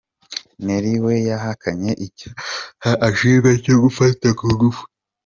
Nelly we yahakanye icyaha ashinjwa cyo gufata ku ngufu.